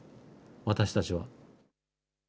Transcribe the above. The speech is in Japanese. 私たちは。